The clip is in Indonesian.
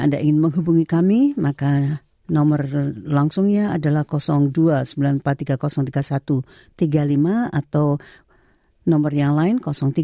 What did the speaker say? dua sembilan empat tiga tiga satu tiga lima atau nomor yang lain tiga sembilan sembilan empat sembilan dua dua delapan